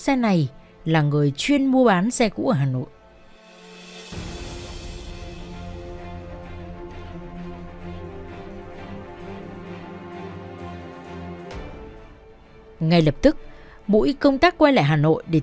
xe này là người chuyên mua bán xe cũ ở hà nội ừ ừ ừ ừ ở ngay lập tức mỗi công tác quay lại hà nội để